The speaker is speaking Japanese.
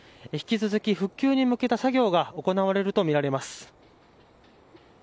引き続き復旧に向けた作業が行われるとみられます。